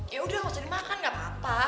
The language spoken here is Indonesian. ya udah gak usah dimakan gak apa apa